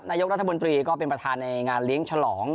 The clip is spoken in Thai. นายกรัฐมนตรีก็เป็นประธานในงานเลี้ยงฉลอง